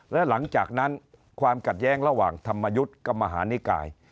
และหลังจากนั้นความขัดแย้งระหว่างธรรมยุทธ์กับมหานิกาย